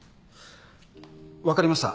分かりました。